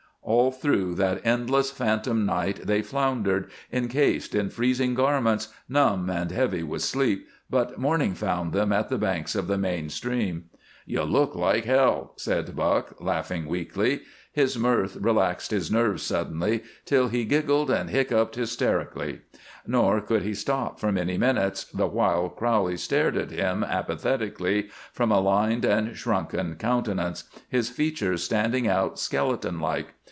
All through that endless phantom night they floundered, incased in freezing garments, numb and heavy with sleep, but morning found them at the banks of the main stream. "You look like hell," said Buck, laughing weakly. His mirth relaxed his nerves suddenly, till he giggled and hiccoughed hysterically. Nor could he stop for many minutes, the while Crowley stared at him apathetically from a lined and shrunken countenance, his features standing out skeleton like.